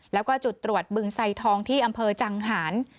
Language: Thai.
แล้วก็จุดตรวจบึงไซทองที่อำเภอจังหาร